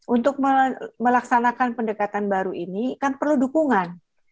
untuk melaksanakan pendekatan baru ini kan perlu dukungan